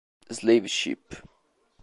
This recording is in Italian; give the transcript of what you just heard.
Slave Ship